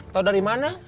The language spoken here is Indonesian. tau dari mana